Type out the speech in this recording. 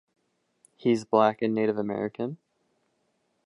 He is black and Native American.